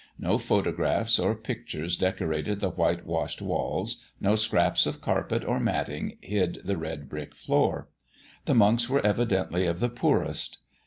No photographs or pictures decorated the white washed walls, no scraps of carpet or matting hid the red brick floor. The Monks were evidently of the poorest.